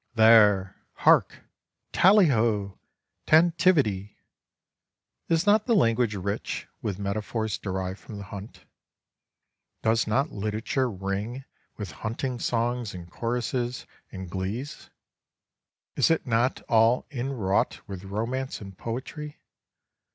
"There. Hark! tally ho, tantivity! Is not the language rich with metaphors derived from the hunt? Does not literature ring with hunting songs and choruses and glees? Is it not all inwrought with romance and poetry?